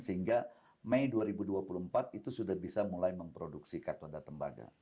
sehingga mei dua ribu dua puluh empat itu sudah bisa mulai memproduksi katoda tembaga